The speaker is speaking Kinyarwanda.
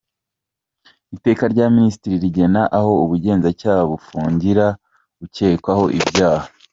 Iteka rya Minisitiri rigena aho Ubugenzacyaha bufungira ukekwaho ibyaha ;